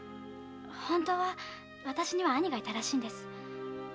本当は私には兄がいたらしいんです。